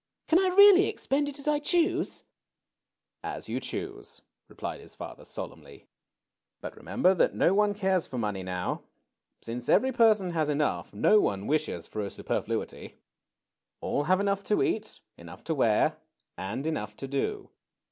Can I really expend it as I choose?" ^^As yon choose/' replied his father, solemnly. ^^But remember that no one cares for money now. Since every person has enough, no one wishes for a super fluity. All have enough to eat, enough to wear, and enough to do.